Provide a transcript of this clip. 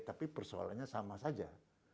tapi persoalannya sama saja